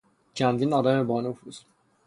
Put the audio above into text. چندین آدم بانفوذ